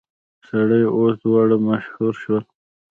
سړی او اس دواړه مشهور شول.